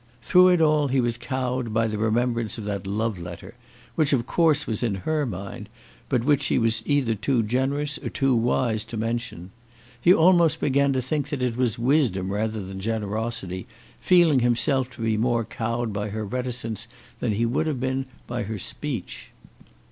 Through it all he was cowed by the remembrance of that love letter, which, of course, was in her mind, but which she was either too generous or too wise to mention. He almost began to think that it was wisdom rather than generosity, feeling himself to be more cowed by her reticence than he would have been by her speech.